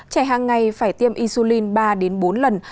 trẻ hàng ngày phải tiêm insulin ba bốn lần